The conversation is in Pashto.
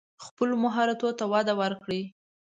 خپلو مهارتونو ته وده ورکړئ.